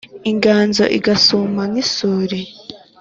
inganzo igasuma nk’isuri